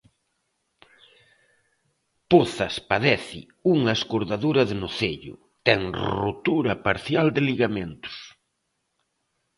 Pozas padece unha escordadura de nocello, ten rotura parcial de ligamentos.